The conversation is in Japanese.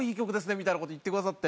みたいな事言ってくださって。